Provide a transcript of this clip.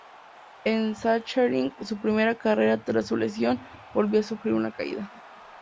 En Sachsenring, su primera carrera tras su lesión, volvió a sufrir una caída.